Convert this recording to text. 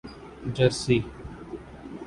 Jersey